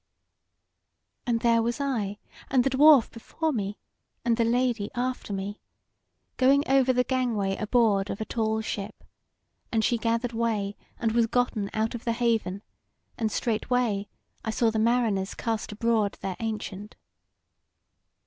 "And there was I, and the Dwarf before me, and the Lady after me, going over the gangway aboard of a tall ship, and she gathered way and was gotten out of the haven, and straightway I saw the mariners cast abroad their ancient."